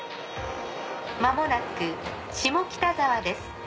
間もなく下北沢です。